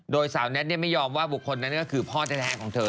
โดยสาวแน็ตไม่ยอมว่าบุคคลนั้นก็คือพ่อแท้ของเธอ